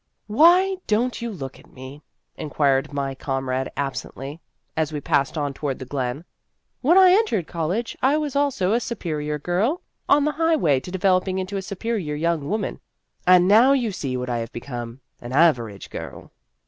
" Why don't you look at me ?" inquired my comrade absently, as we passed on toward the glen ;" when I entered college, I also was a superior girl on the high way to developing into a superior young woman and now you see what I have become an average girl."